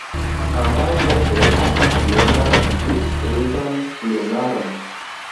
Ambaŭ seksoj havas brunan ĝis grizan plumaron.